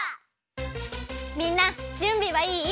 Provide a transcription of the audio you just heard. みんなじゅんびはいい？